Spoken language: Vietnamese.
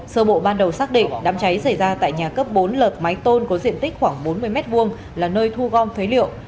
sơ bộ ban đầu xác định đám cháy xảy ra tại nhà cấp bốn lợp mái tôn có diện tích khoảng bốn mươi m hai là nơi thu gom phế liệu